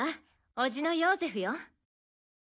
おじのヨーゼフよ。